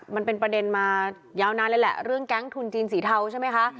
มันเป็นประเด็นมายาวนานเลยแหละเรื่องแก๊งทุนจีนสีเทาใช่ไหมคะ